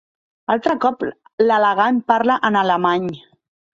Altre cop l'elegant parla en alemany